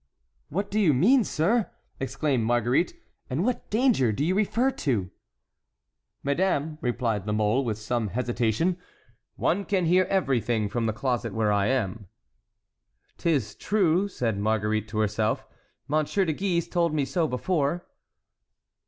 "What do you mean, sir," exclaimed Marguerite, "and what danger do you refer to?" "Madame," replied La Mole, with some hesitation, "one can hear everything from the closet where I am." "'Tis true," said Marguerite to herself; "Monsieur de Guise told me so before."